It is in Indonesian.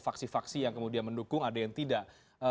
faksi faksi yang kemudian mendukung ada yang tidak